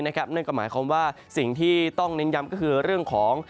นั่นก็หมายความว่าสิ่งที่ต้องเน้นย้ำก็คือเรื่องของ